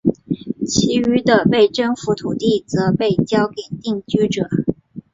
其余的被征服土地则被交给定居者。